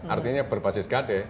artinya berbasis gade